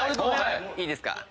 いいですか？